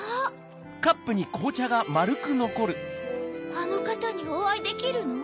あのかたにおあいできるの？